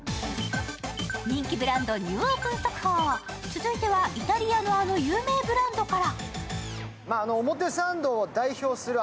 人気ブランドニューオープン速報、続いてはイタリアのあの有名ブランドから。